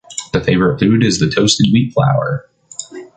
The favorite food is the toasted wheat flour.